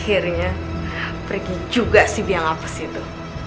akhirnya pergi juga si biang lapas itu